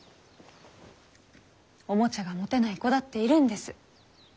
おもちゃが持てない子だっているんです。